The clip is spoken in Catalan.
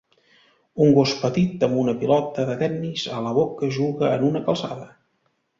Un gos petit amb una pilota de tennis a la boca juga en una calçada.